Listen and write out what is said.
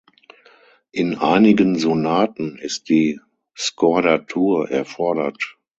In einigen Sonaten ist die Skordatur erfordert.